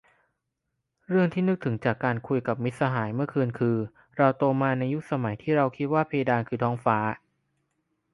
เรื่องที่นึกถึงจากการคุยกับมิตรสหายเมื่อคืนคือ เราโตมาในยุคสมัยที่เราคิดว่าเพดานคือท้องฟ้า